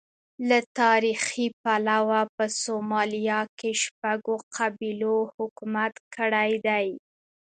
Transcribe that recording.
له تاریخي پلوه په سومالیا کې شپږو قبیلو حکومت کړی دی.